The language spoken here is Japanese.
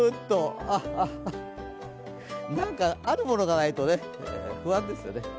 なんか、あるものがないと不安ですよね。